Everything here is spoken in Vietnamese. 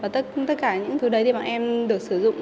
tất cả những thứ đấy thì bọn em được sử dụng